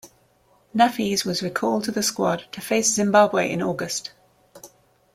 Nafees was recalled to the squad to face Zimbabwe in August.